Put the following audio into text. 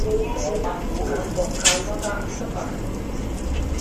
蘿蔔冇揀過太多渣，失敗